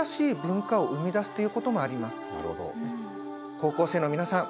高校生の皆さん